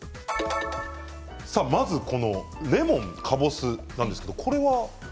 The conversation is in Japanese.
まずレモンとかぼすなんですが、これは。